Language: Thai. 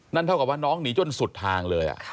เท่ากับว่าน้องหนีจนสุดทางเลย